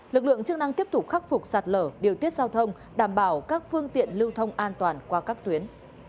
lực lượng chức năng tiếp tục khắc phục sạt lở điều tiết giao thông đảm bảo các phương tiện lưu thông an toàn qua các tuyến